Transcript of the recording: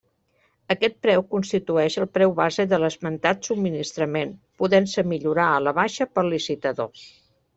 Aquest preu constitueix el preu base de l'esmentat subministrament, podent-se millorar a la baixa pel licitador.